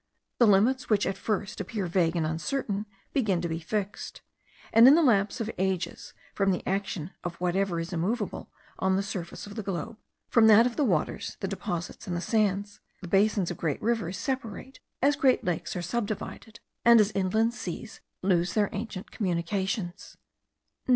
The limits, which at first appeared vague and uncertain, begin to be fixed; and in the lapse of ages, from the action of whatever is moveable on the surface of the globe, from that of the waters, the deposits, and the sands, the basins of rivers separate, as great lakes are subdivided, and as inland seas lose their ancient communications.